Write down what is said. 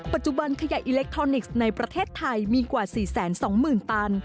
ปัจจุบันขยะอิเล็กทรอนิกส์ในประเทศไทยมีกว่า๔๒๐๐๐ตัน